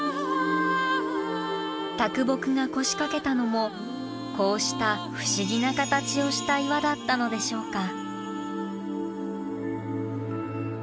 啄木が腰掛けたのもこうした不思議な形をした岩だったのでしょうか？